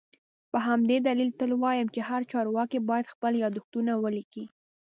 په همدې دلیل تل وایم چي هر چارواکی باید خپل یادښتونه ولیکي